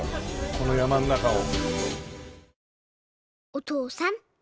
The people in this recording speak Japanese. この山の中を。